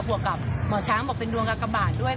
วกกับหมอช้างบอกเป็นดวงกากบาทด้วย